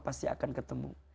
pasti akan ketemu